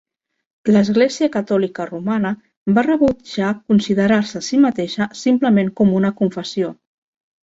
L'Església Catòlica Romana va rebutjar considerar-se a si mateixa simplement com una confessió.